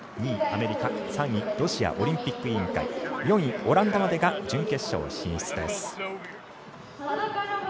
２位、アメリカ３位、ロシアオリンピック委員会４位、オランダまでが準決勝進出です。